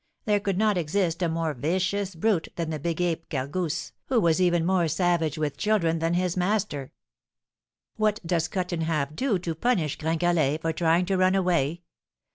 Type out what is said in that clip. There could not exist a more vicious brute than the big ape Gargousse, who was even more savage with children than his master. What does Cut in Half do to punish Gringalet for trying to run away?